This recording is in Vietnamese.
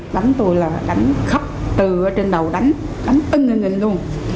đánh tôi là đánh khóc từ trên đầu đánh đánh ưng ưng ưng luôn